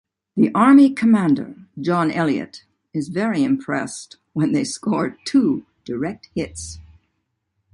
The Army commander (John Elliott) is very impressed when they score two direct hits.